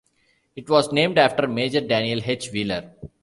It was named after Major Daniel H. Wheeler.